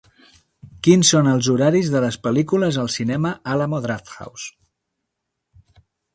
Quins són els horaris de les pel·lícules al cinema Alamo Drafthouse.